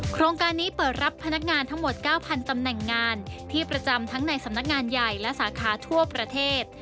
โครงการนี้เปิดรับพนักงานทั้งหมด๙๐๐ตำแหน่งงานที่ประจำทั้งในสำนักงานใหญ่และสาขาทั่วประเทศ